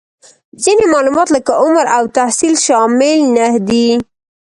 ځینې معلومات لکه عمر او تحصیل شامل نهدي